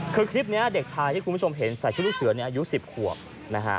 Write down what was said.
คือคลิปนี้เด็กชายที่คุณผู้ชมเห็นใส่ชุดลูกเสือเนี่ยอายุ๑๐ขวบนะฮะ